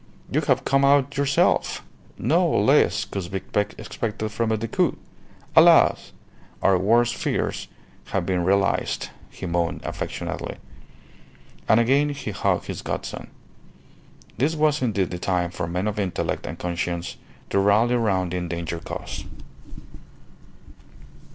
"You have come out yourself! No less could be expected from a Decoud. Alas! our worst fears have been realized," he moaned, affectionately. And again he hugged his god son. This was indeed the time for men of intellect and conscience to rally round the endangered cause.